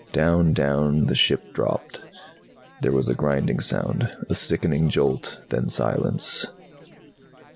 Down, down the ship dropped. There was a grinding sound, a sickening jolt. Then silence.